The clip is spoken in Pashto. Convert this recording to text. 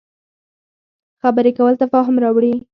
خبرې کول تفاهم راوړي